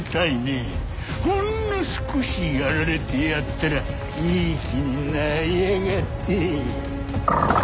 ほんの少しやられてやったらいい気になりやがって。